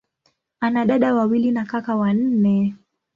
Ana dada wawili na kaka wanne.